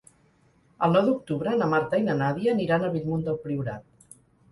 El nou d'octubre na Marta i na Nàdia aniran a Bellmunt del Priorat.